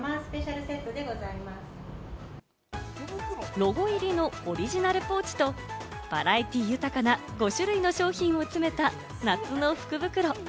ロゴ入りのオリジナルポーチと、バラエティ豊かな５種類の商品を詰めた夏の福袋。